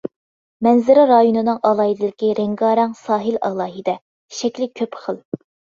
مەنزىرە رايونىنىڭ ئالاھىدىلىكى رەڭگارەڭ ساھىل ئالاھىدە، شەكلى كۆپ خىل.